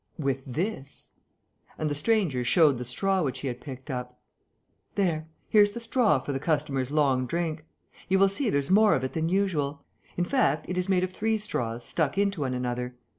"With this." And the stranger showed the straw which he had picked up: "There, here's the straw for the customer's long drink. You will see, there's more of it than usual: in fact, it is made of three straws stuck into one another.